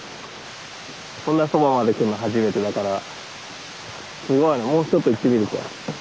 こんなそばまで来るの初めてだからすごいねもうちょっと行ってみるか。